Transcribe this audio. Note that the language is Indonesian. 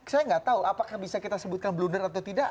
saya nggak tahu apakah bisa kita sebutkan blunder atau tidak